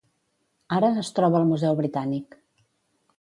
Ara, es troba al Museu Britànic.